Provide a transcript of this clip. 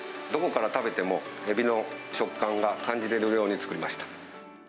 どこから食べても、エビの食感が感じれるように作りました。